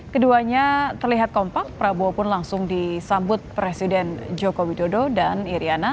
keduanya terlihat kompak prabowo pun langsung disambut presiden joko widodo dan iryana